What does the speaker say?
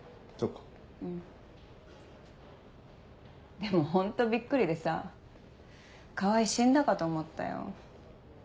でもホントびっくりでさ川合死んだかと思ったよ。